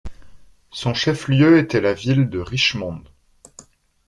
Son chef-lieu était la ville de Richmond.